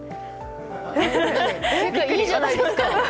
いいじゃないですか。